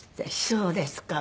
そうですか。